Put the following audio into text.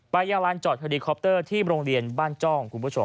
ไปยังลานจอดไฮรีคอปเตอร์ที่โรงเรียนบ้านจ้อง